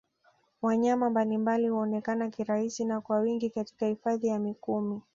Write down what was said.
Wanyama mbalimbali huonekana kirahisi na kwa wingi Katika Hifadhi ya Mikumi